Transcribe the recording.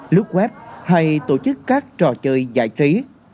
lút web hay tổ chức các trò chơi giải trí